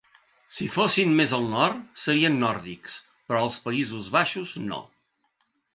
Si fossin més al nord, serien nòrdics, però els països baixos no.